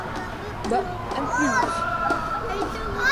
Bah ! un de plus !